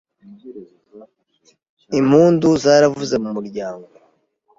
Impundu zaravuze mu muryango